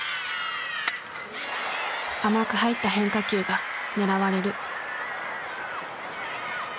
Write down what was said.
甘く入った変化球が狙われる。